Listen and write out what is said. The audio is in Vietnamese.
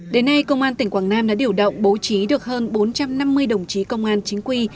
đến nay công an tỉnh quảng nam đã điều động bố trí được hơn bốn trăm năm mươi đồng chí công an chính quy